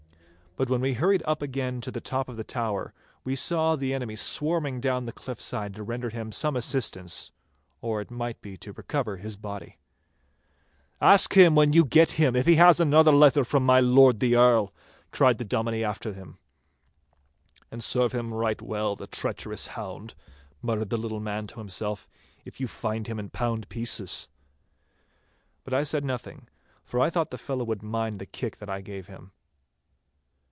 But when we hurried again to the top of the tower, we saw the enemy swarming down the cliff side to render him some assistance, or it might be to recover his body. 'Ask him, when you get him, if he has another letter from my lord the Earl,' cried the Dominie after them. 'And serve him right well, the treacherous hound,' muttered the little man to himself, 'if you find him in pound pieces!' But I said nothing, for I thought the fellow would mind the kick that I gave him.